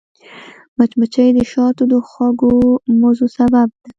مچمچۍ د شاتو د خوږو مزو سبب ده